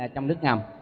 trong nước ngầm